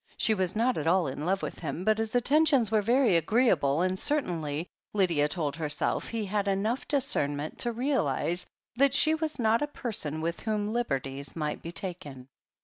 She was not at all in love with him, but his attentions were very agreeable and certainly, Lydia told herself, he had enough discernment to realize that she was not a per son with whom liberties might be taken.